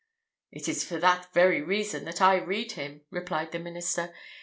"It is for that very reason that I read him," replied the minister.